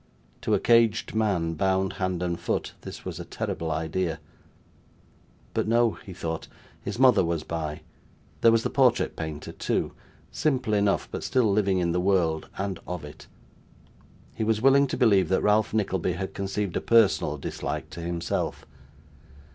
To a caged man, bound hand and foot, this was a terrible idea but no, he thought, his mother was by; there was the portrait painter, too simple enough, but still living in the world, and of it. He was willing to believe that Ralph Nickleby had conceived a personal dislike to himself.